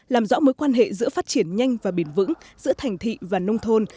làm rõ mối quan hệ giữa phát triển nhanh và bền vững giữa thành thị và nông thôn